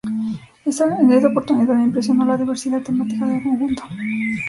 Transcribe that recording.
En esa oportunidad me impresionó la diversidad temática del conjunto.